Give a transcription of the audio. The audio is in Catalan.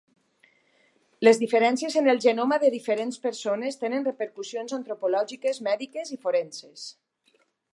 Les diferències en el genoma de diferents persones tenen repercussions antropològiques, mèdiques i forenses.